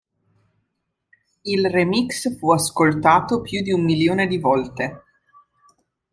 Il remix fu ascoltato più di un milione di volte.